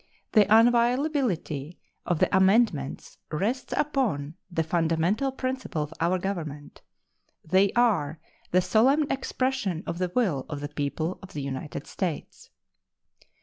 The inviolability of the amendments rests upon the fundamental principle of our Government. They are the solemn expression of the will of the people of the United States.